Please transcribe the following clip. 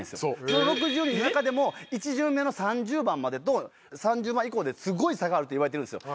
その６０人の中でも１巡目の３０番までと３０番以降ですごい差があるといわれてるんですよ。